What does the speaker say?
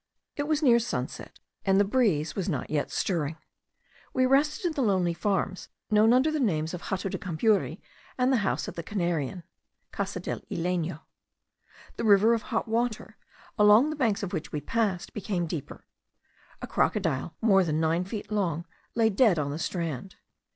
It was near sunset, and the breeze was not yet stirring. We rested in the lonely farms known under the names of the Hato de Cambury and the house of the Canarian (Casa del Isleno). The river of hot water, along the banks of which we passed, became deeper. A crocodile, more than nine feet long, lay dead on the strand.